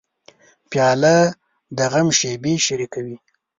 پیاله د غم شېبې شریکوي.